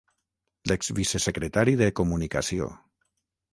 L'exvicesecretari de comunicació